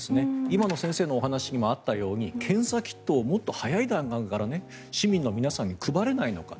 今の先生のお話にもあったように検査キットをもっと早い段階から市民の皆さんに配れないのか。